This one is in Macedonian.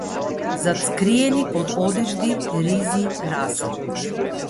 Затскриени под одежди, ризи, раса.